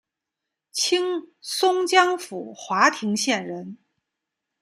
清松江府华亭县人。